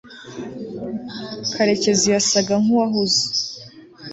karekezi yasaga nkuwahuze